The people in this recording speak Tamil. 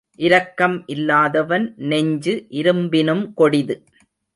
இரக்கம் இல்லாதவன் நெஞ்சு இரும்பினும் கொடிது,